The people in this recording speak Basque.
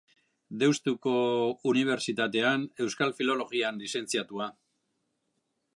Deustuko Unibertsitatean Euskal Filologian lizentziatua.